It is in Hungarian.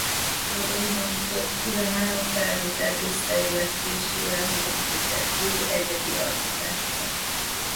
Robinson több különálló felvétel összeillesztésével hozott létre új egyedi alkotásokat.